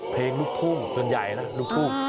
เพลงลูกทุ่งส่วนใหญ่นะลูกทุ่ง